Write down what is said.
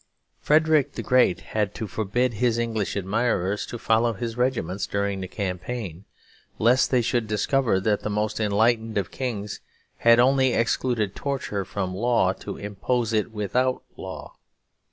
Frederick the Great had to forbid his English admirers to follow his regiments during the campaign, lest they should discover that the most enlightened of kings had only excluded torture from law to impose it without law.